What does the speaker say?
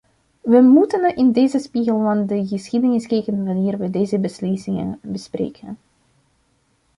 We moeten in deze spiegel van de geschiedenis kijken wanneer we deze beslissingen bespreken.